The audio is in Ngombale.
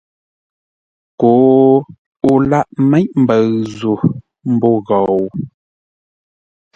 Koo o lâʼ méʼ mbəʉ zô ḿbô ghou!